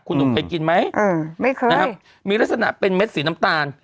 คุณหนุ่มเคยกินไหมไม่เคยนะครับมีลักษณะเป็นเม็ดสีน้ำตาล